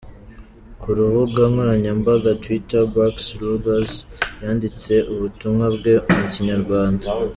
Ku rubuga nkoranyambaga Twitter, Barks-Ruggles yanditse ubutumwa bwe mu Kinyarwanda.